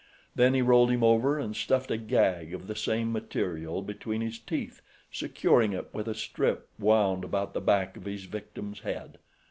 Then he rolled him over and stuffed a gag of the same material between his teeth, securing it with a strip wound about the back of his victim's head.